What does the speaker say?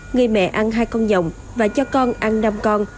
người mẹ ăn hai con dòng và cho con ăn năm con